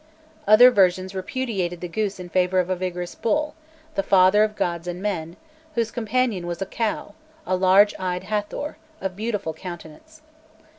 Other versions repudiated the goose in favour of a vigorous bull, the father of gods and men, whose companion was a cow, a large eyed Hâthor, of beautiful countenance.